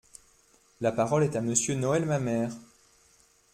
La parole est à Monsieur Noël Mamère.